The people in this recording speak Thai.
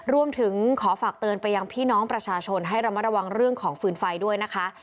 รวมถึงขอฝากเตือนไปยังพี่น้องประชาชนให้ระมัดระวังเรื่องของฟืนไฟด้วยนะคะ